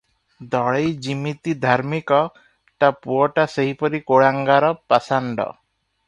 ଦଳେଇ ଯିମିତି ଧାର୍ମିକ, ତା ପୁଅଟା ସେହିପରି କୁଳାଙ୍ଗାର, ପାଷଣ୍ଡ ।